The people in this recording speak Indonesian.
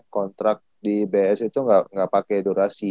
kontrak di bes itu ga pake durasi